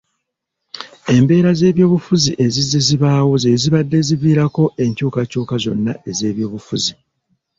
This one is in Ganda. Embeera z'ebyenfuna ezizze zibaawo ze zibadde ziviirako enkyukakyuka zonna ez'ebyobufuzi.